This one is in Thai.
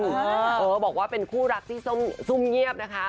เออบอกว่าเป็นคู่รักที่ซุ่มเงียบนะคะ